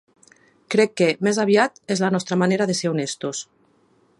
Crec que, més aviat, és la nostra manera de ser honestos.